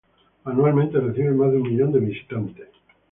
Anualmente reciben más de un millón de visitantes.